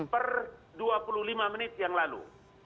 per dua puluh lima menit yang lalu